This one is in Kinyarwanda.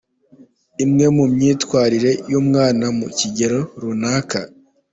Imwe mu myitwarire y’umwana mu kigero runaka